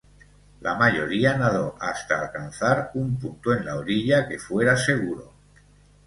La mayoría nado hasta alcanzar un punto en la orilla que fuera seguro.